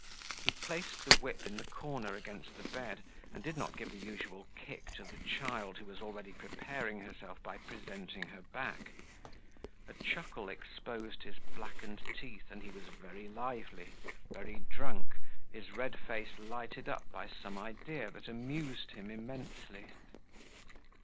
He placed the whip in the corner against the bed and did not give the usual kick to the child who was already preparing herself by presenting her back. A chuckle exposed his blackened teeth and he was very lively, very drunk, his red face lighted up by some idea that amused him immensely.